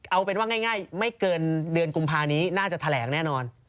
เอาเป็นว่าง่ายไม่เกินเดือนกุมภานี้น่าจะแถลงแน่นอน